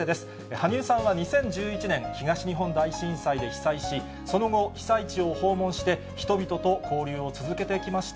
羽生さんは２０１１年、東日本大震災で被災し、その後、被災地を訪問して、人々と交流を続けてきました。